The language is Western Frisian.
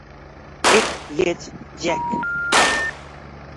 Ik hjit Jack.